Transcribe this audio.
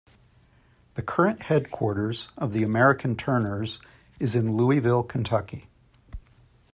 The current headquarters of the American Turners is in Louisville, Kentucky.